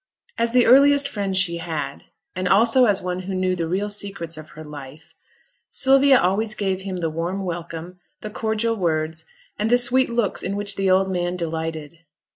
As the earliest friend she had, and also as one who knew the real secrets of her life, Sylvia always gave him the warm welcome, the cordial words, and the sweet looks in which the old man delighted.